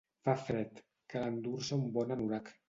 Fa fred cal endur-se un bon anorac